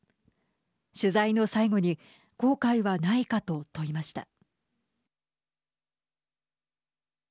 取材の最後に後悔はないかと問いました。